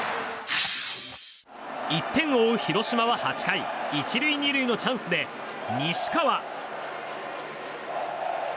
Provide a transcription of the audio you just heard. １点を追う広島は８回１塁２塁のチャンスで西川。